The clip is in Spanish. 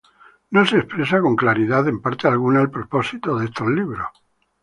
No se expresa con claridad en parte alguna el propósito de estos libros.